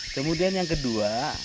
kemudian yang kedua